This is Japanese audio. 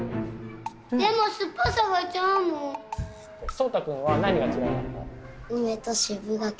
そうたくんは何が嫌いなの？